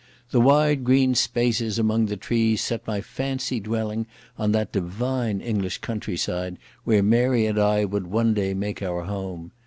The wide green spaces among the trees set my fancy dwelling on that divine English countryside where Mary and I would one day make our home.